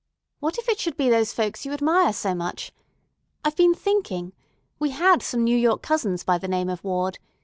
What if it should be those folks you admire so much? I've been thinking. We had some New York cousins by the name of Ward.